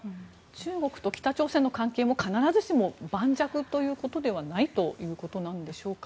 中国と北朝鮮の関係も必ずしも盤石ということではないということなんでしょうか。